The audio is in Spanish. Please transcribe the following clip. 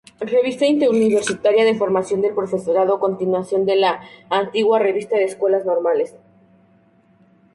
Revista Interuniversitaria de Formación del Profesorado continuación de la antigua Revista de Escuelas Normales.